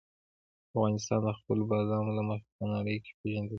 افغانستان د خپلو بادامو له مخې په نړۍ کې پېژندل کېږي.